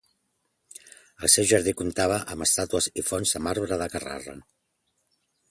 El seu jardí comptava amb estàtues i fonts de marbre de Carrara.